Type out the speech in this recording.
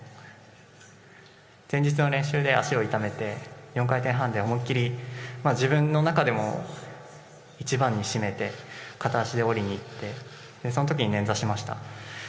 前日の練習で足を痛めて、４回転半で思いっ切り、自分の中でも一番にしめて、片足でおりにいって、そのときに捻挫しました。